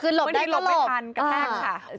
คือหลบได้ก็หลบไม่ได้หลบไปทางกระแทกค่ะ